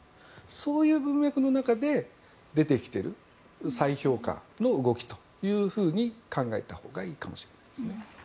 そういう文脈の中で出てきている再評価の動きというふうに考えたほうがいいかもしれませんね。